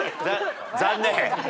残念。